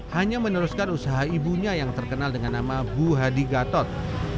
hanya meneruskan usaha ibunya yang terkenal dengan nama bu hadi gatot